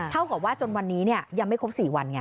เท่ากับว่าจนวันนี้ยังไม่ครบ๔วันไง